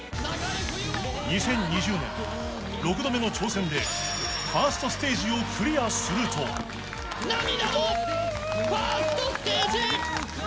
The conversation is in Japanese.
２０２０年６度目の挑戦でファーストステージをクリアすると涙のファーストステージ！